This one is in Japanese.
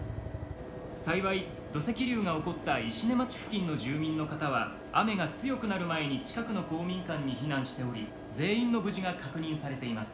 幸い土石流が起こった石音町付近の住民の方は雨が強くなる前に近くの公民館に避難しており全員の無事が確認されています」。